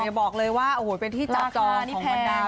จะบอกเลยว่าเป็นที่จอดจอดของมดราม